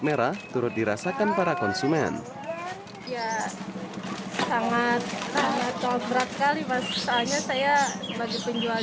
merah turut dirasakan para konsumen ya sangat sangat berat kali pasalnya saya sebagai penjual